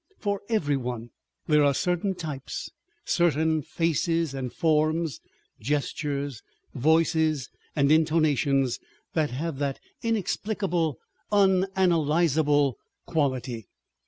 For every one there are certain types, certain faces and forms, gestures, voices and intonations that have that inexplicable unanalyzable quality.